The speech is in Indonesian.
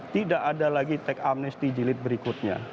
tidak ada lagi teks amnesty jilid berikutnya